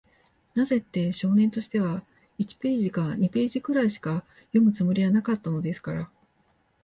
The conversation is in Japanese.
なぜって、少年としては、一ページか二ページぐらいしか読むつもりはなかったのですから。